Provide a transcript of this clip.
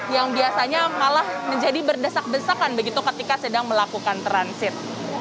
yang biasanya malah menjadi berdesak desakan begitu ketika sedang melakukan transit